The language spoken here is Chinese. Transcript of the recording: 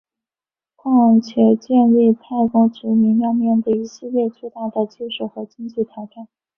况且建立太空殖民要面对一系列巨大的技术和经济挑战。